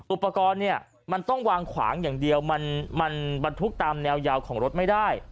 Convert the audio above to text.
อุปกรณ์ต้องวางขวางอย่างเดียวมันบันทุกข์ตามแนวยาวของรถไม่ได้